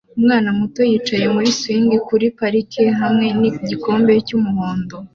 umwana muto yicaye muri swing kuri parike hamwe nigikombe cyumuhondo